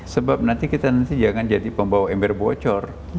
sebab nanti kita nanti jangan jadi pembawa ember bocor